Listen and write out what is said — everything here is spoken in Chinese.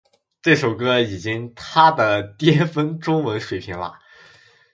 这首歌已经她的巅峰中文水平了